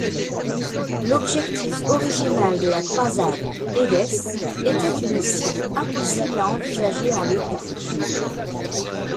L'objectif original de la croisade, Édesse, était une cible impossible à envisager en l'état.